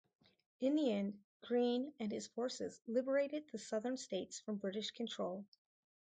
In the end, Greene and his forces liberated the southern states from British control.